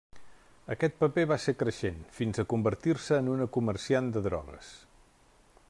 Aquest paper va ser creixent fins a convertir-se en una comerciant de drogues.